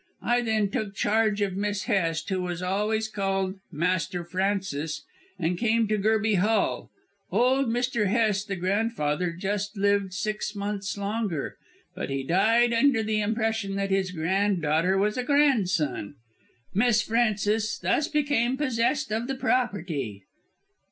I then took charge of Miss Hest, who was always called Master Francis, and came to Gerby Hall. Old Mr. Hest, the grandfather, just lived six months longer, but he died under the impression that his grand daughter was a grandson. Miss Frances thus became possessed of the property."